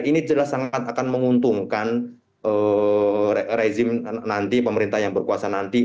ini jelas sangat akan menguntungkan rezim nanti pemerintah yang berkuasa nanti